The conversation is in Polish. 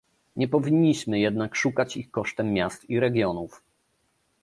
Nie powinniśmy jednak szukać ich kosztem miast i regionów